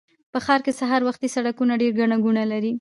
په ښار کې سهار وختي سړکونه ډېر ګڼه ګوڼه لري